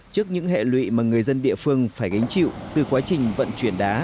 trước những hệ lụy mà người dân địa phương phải gánh chịu từ quá trình vận chuyển đá